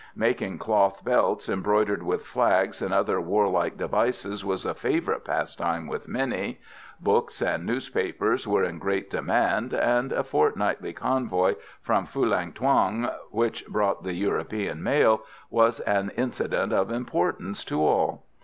Making cloth belts embroidered with flags and other warlike devices was a favourite pastime with many; books and newspapers were in great demand, and a fortnightly convoy from Phulang Thuong, which brought the European mail, was an incident of importance to all.